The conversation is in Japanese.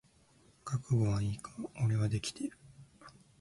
覚悟はいいか？俺はできてる。